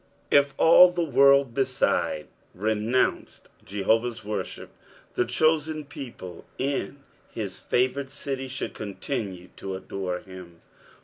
If all the world beside renounced Jehovah's worship, the chosen people in his favoured city should continue to adore him.